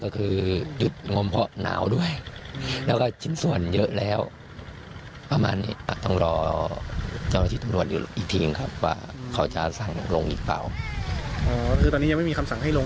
อ๋อคือตอนนี้ยังไม่มีคำสั่งให้ลง